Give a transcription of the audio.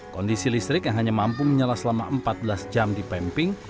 kondisi listrik yang hanya mampu menyala selama empat belas jam di pemping